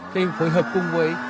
thì phối hợp cùng với